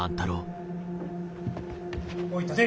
おい立て。